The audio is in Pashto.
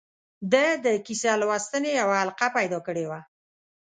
ده د کیسه لوستنې یوه حلقه پیدا کړې وه.